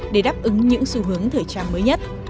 để đáp ứng những xu hướng thời trang mới nhất